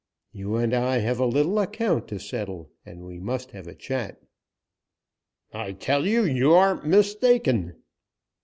You and I have a little account to settle and we must have a chat." "I tell you you are mistaken."